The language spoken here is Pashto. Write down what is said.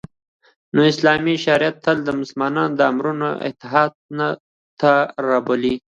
نو اسلامی شریعت تل مسلمانان د امیرانو اطاعت ته رابولی